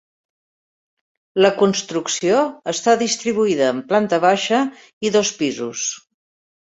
La construcció està distribuïda en planta baixa i dos pisos.